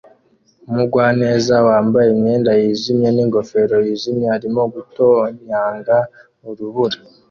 Umugwaneza wambaye imyenda yijimye n'ingofero yijimye arimo gutonyanga urubura